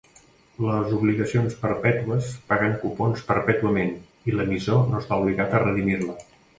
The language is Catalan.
Les obligacions perpètues paguen cupons perpètuament i l'emissor no està obligat a redimir-la.